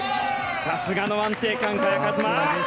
さすがの安定感、萱和磨。